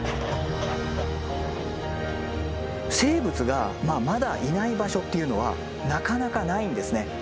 生物がまだいない場所っていうのはなかなかないんですね。